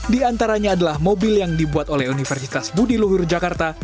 di antaranya adalah mobil yang dibuat oleh universitas budi luhur jakarta